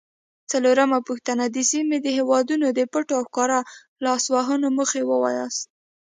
څلورمه پوښتنه: د سیمې د هیوادونو د پټو او ښکاره لاسوهنو موخې ووایاست؟